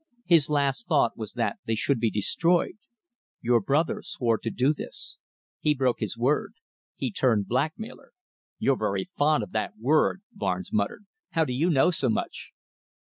His last thought was that they should be destroyed. Your brother swore to do this. He broke his word. He turned blackmailer." "You're very fond of that word," Barnes muttered. "How do you know so much?"